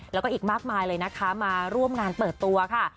แล้วก็อีกมากมายเลยนะคะมาร่วมงานเปิดตัวค่ะ